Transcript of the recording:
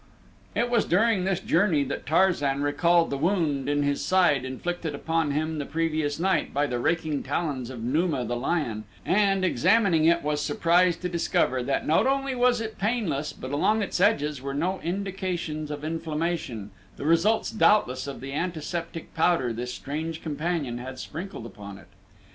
It was during this journey that Tarzan recalled the wound in his side inflicted upon him the previous night by the raking talons of Numa, the lion, and examining it was surprised to discover that not only was it painless but along its edges were no indications of inflammation, the results doubtless of the antiseptic powder his strange companion had sprinkled upon it.